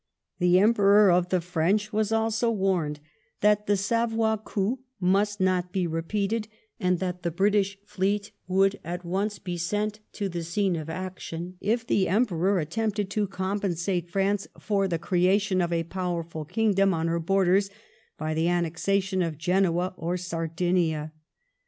I The Emperor of the French also waa warned that the Savoy coup must not be repeated ; and that the British fleet would at once be sent to the scene of action^ if the Emperor attempted to compensate France for the creation of a powerful kingdom on her borders by the annexation of Grenoa or Sardinia.